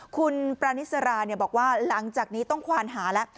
คุณปรานิสราบอกว่าหลังจากนี้ต้องควานหาแล้ว